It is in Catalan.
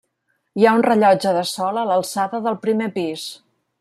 Hi ha un rellotge de sol a l'alçada del primer pis.